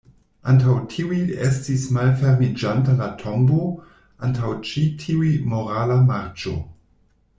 Antaŭ tiuj estis malfermiĝanta la tombo, antaŭ ĉi tiuj morala marĉo.